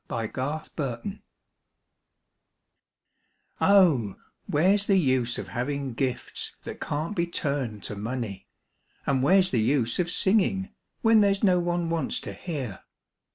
WHERE'S THE USE Oh, where's the use of having gifts that can't be turned to money? And where's the use of singing, when there's no one wants to hear?